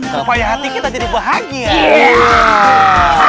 supaya hati kita jadi bahagia